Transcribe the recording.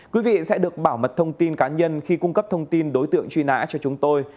quý vị sẽ được bảo mật thông tin cá nhân khi cung cấp thông tin đối tượng truy nã cho chúng tôi